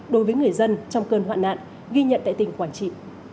đối với người dân trong cơn hoạn nạn ghi nhận tại tỉnh quảng trị